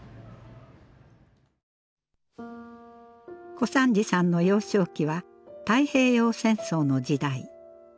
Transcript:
小三治さんの幼少期は太平洋戦争の時代。